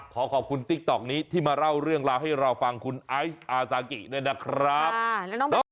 ขอขอบคุณติ๊กต๊อกนี้ที่มาเล่าเรื่องราวให้เราฟังคุณไอซ์อาซากิด้วยนะครับ